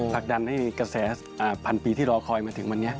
ผลักดันให้เกษตรภัณฑ์ปีที่รอคอยมาถึงวันนี้